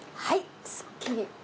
はいすっきり！